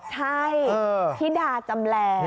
ใช่ธิดาจำแรง